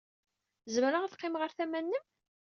Zemreɣ ad qqimeɣ ɣer tama-nnem?